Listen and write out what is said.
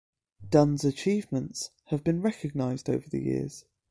Dunn's achievements have been recognized over the years.